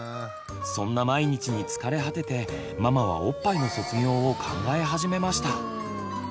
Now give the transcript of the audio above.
そんな毎日に疲れ果ててママはおっぱいの卒業を考え始めました。